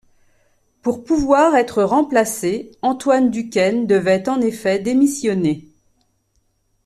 Pour pouvoir être remplacé, Antoine Duquesne devait en effet démissionner.